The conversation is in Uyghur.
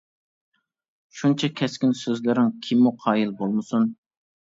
شۇنچە كەسكىن سۆزلىرىڭ، كىممۇ قايىل بولمىسۇن.